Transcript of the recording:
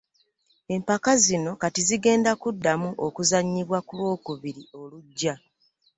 Empaka zino kati zigenda kuddamu okuzannyibwa ku lwokubiri olujja